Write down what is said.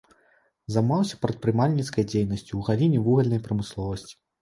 Займаўся прадпрымальніцкай дзейнасцю ў галіне вугальнай прамысловасці.